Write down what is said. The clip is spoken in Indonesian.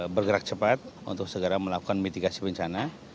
bergerak cepat untuk segera melakukan mitigasi bencana